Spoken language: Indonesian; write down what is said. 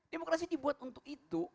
demokrasi dibuat untuk itu